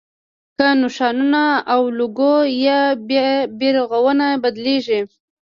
که نښانونه او لوګو یا بیرغونه بدلېږي.